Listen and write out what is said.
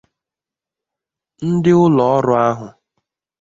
Ndị ụlọọrụ ahụ